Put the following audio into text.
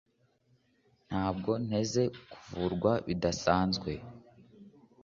Ntabwo nteze kuvurwa bidasanzwe